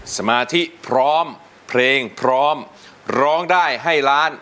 สมาธิพร้อมเพลงพร้อมร้องได้ให้ล้าน